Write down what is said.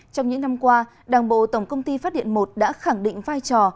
trong những năm qua đảng bộ tổng công ty phát điện i đã khẳng định vai trò